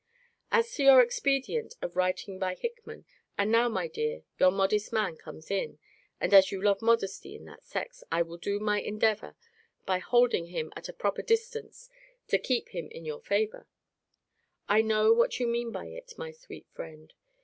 As to your expedient of writing by Hickman [and now, my dear, your modest man comes in: and as you love modesty in that sex, I will do my endeavour, by holding him at a proper distance, to keep him in your favour] I know what you mean by it, my sweet friend.